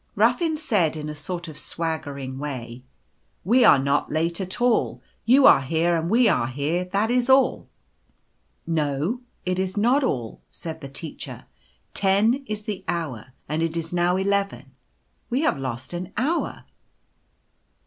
Ruffin said, in a sort of swaggering way, cc We are not late at all. You are here and we are here — that is all." " No, it is not all," said the Teacher. u Ten is the hour, and it is now eleven — we have lost an hour."